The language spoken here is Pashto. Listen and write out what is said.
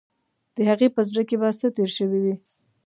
د هغې په زړه کې به څه تیر شوي وي.